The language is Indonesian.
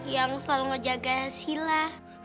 yang selalu ngejaga sheila